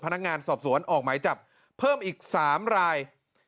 พนักงานสอบสวนออกหมายจับเพิ่มอีก๓ราย